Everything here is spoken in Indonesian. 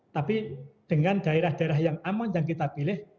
tapi dengan daerah daerah yang aman yang kita pilih